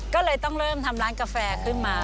ก็เลยต้องเริ่มทำร้านกาแฟขึ้นมา